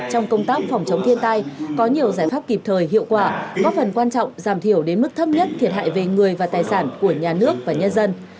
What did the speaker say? trong công tác phòng chống thiên tai có nhiều giải pháp kịp thời hiệu quả góp phần quan trọng giảm thiểu đến mức thấp nhất thiệt hại về người và tài sản của nhà nước và nhân dân